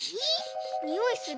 においする？